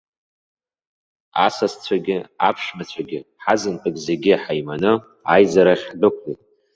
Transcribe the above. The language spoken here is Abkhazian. Асасцәагьы аԥшәмацәагьы ҳазынтәык зегьы ҳаиманы аизарахь ҳдәықәлеит.